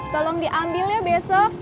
tolong diambilnya besok